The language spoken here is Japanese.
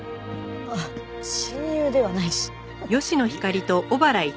あっ親友ではないしハハハ。